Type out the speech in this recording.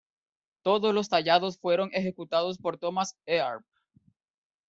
Todos los tallados fueron ejecutados por Thomas Earp.